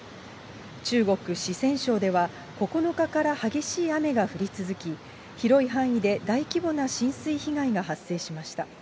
中国・四川省では、９日から激しい雨が降り続き、広い範囲で大規模な浸水被害が発生しました。